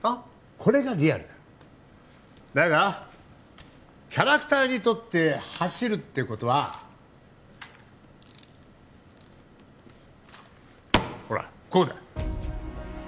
これがリアルだだがキャラクターにとって走るってことはほらこうだ